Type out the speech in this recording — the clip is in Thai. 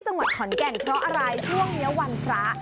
จังหวัดขอนแก่นเพราะอะไรช่วงนี้วันพระ